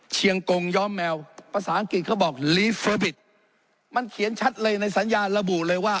เชียงโกงย้อมแมวภาษาอังกฤษเขาบอกมันเขียนชัดเลยในสัญญาณระบุเลยว่า